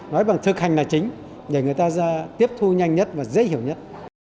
nói bằng thực hành là chính để người ta ra tiếp thu nhanh nhất và dễ hiểu nhất